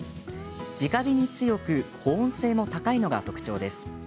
じか火に強く保温性も高いのが特徴です。